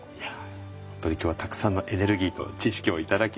本当に今日はたくさんのエネルギーと知識を頂きました。